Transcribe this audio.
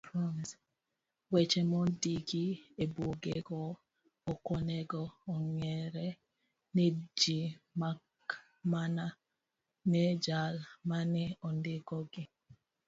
Weche mondiki ebugego okonego ong'ere ne ji makmana ne jal mane ondikogi.